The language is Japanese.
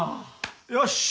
よし！